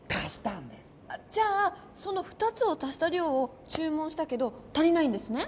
じゃあその２つを足した量をちゅう文したけど足りないんですね？